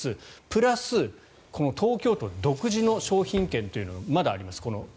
プラス東京都独自の商品券というのがまだあります。